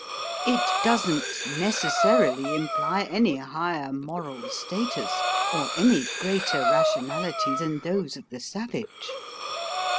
It doesn't necessarily imply any higher moral status or any greater rationality than those of the savage.